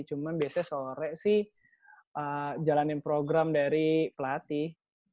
cuman biasanya sore sih jalanin program dari pelatih